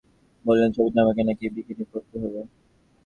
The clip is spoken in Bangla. ছবির প্রযোজক রিয়া কাপুর বললেন, ছবিতে আমাকে নাকি বিকিনি পরতে হবে।